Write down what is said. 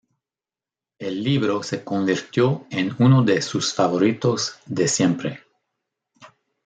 El libro se convirtió en uno de sus favoritos de siempre.